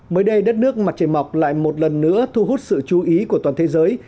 mới đây đất nước mặt trời mọc lại một lần nữa thu hút sự chú ý của toàn thế giới